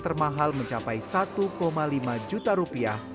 termahal mencapai satu lima juta rupiah